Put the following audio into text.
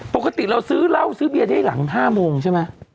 ปกติเราซื้อเหล้าซื้อเบียร์ได้หลัง๕โมงใช่ไหม